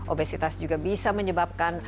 obesitas juga bisa menyebabkan